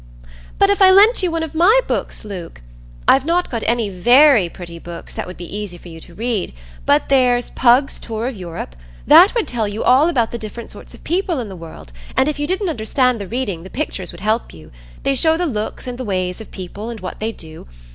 "But if I lent you one of my books, Luke? I've not got any very pretty books that would be easy for you to read; but there's 'Pug's Tour of Europe,'—that would tell you all about the different sorts of people in the world, and if you didn't understand the reading, the pictures would help you; they show the looks and ways of the people, and what they do.